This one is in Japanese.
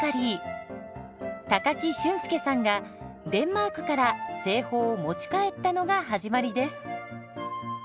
高木俊介さんがデンマークから製法を持ち帰ったのが始まりです。